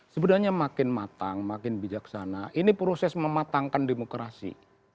sebenarnya makin matang makin bijaksana ini proses mematangkan demokrasi